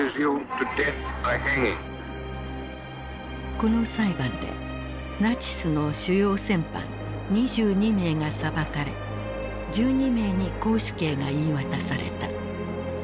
この裁判でナチスの主要戦犯２２名が裁かれ１２名に絞首刑が言い渡された。